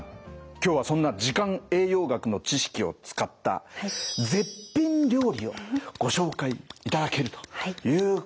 今日はそんな時間栄養学の知識を使った絶品料理をご紹介いただけるということですね？